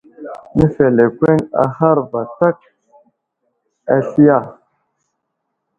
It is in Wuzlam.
Nəfelekweŋ ahar vatak asli ya ?